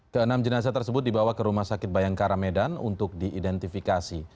keenam jenazah tersebut dibawa ke rumah sakit bayangkara medan untuk diidentifikasi